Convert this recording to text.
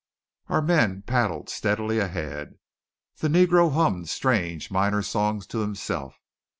Our men paddled steadily ahead. The negro hummed strange minor songs to himself.